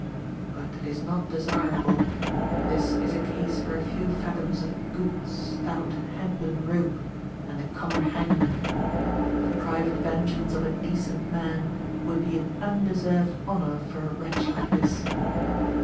But it is not desirable. This is a case for a few fathoms of good, stout, hempen rope, and the common hangman. The private vengeance of a decent man would be an undeserved honour for a wretch like this.